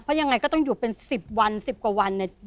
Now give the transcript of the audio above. เพราะยังไงก็ต้องอยู่เป็น๑๐วัน๑๐กว่าวันเนี่ย